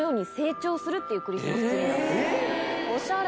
おしゃれ。